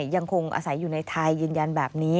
ยังคงอาศัยอยู่ในไทยยืนยันแบบนี้